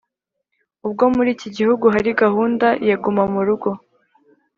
ubwo muri iki gihugu hari gahunda ya Guma mu rugo.